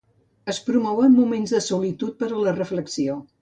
Es promouen moments de solitud per a la reflexió.